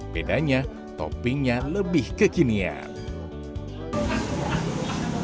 bedanya toppingnya lebih kekinian